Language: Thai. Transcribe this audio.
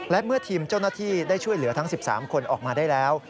และเมื่อทีมเจ้าหน้าที่ได้ช่วยเหลือทั้ง๑๓คนออกมาได้แล้ว